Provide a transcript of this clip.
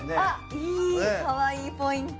いい、かわいいポイント。